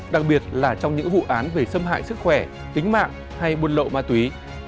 đặc biệt là trong những vụ án về xâm hại sức khỏe tính mạng hay buôn lậu ma túy